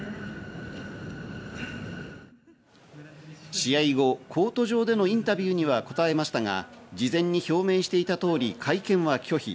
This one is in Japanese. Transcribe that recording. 試合後、コート上でのインタビューには応えましたが、事前に表明していた通り会見は拒否。